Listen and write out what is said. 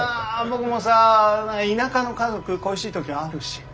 僕もさ田舎の家族恋しい時あるし。